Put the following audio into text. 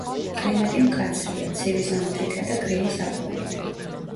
კლიმატი მკაცრია, ცივი ზამთრითა და გრილი ზაფხულით.